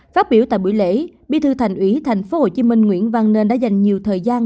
phát biểu tại buổi lễ bí thư thành ủy tp hcm nguyễn văn nên đã dành nhiều thời gian